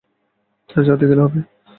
আজ রাত্রেই গেলে হবে।